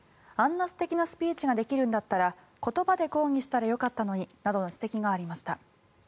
あんな素敵なスピーチができるんだったら言葉で抗議したらよかったのになどの指摘がありました。